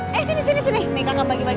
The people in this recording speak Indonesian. kamu mau pulang